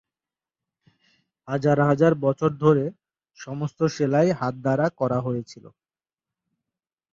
হাজার হাজার বছর ধরে, সমস্ত সেলাই হাত দ্বারা করা হয়েছিল।